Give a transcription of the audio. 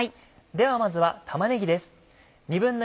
ではまずは玉ねぎです。